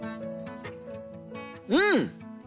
うん！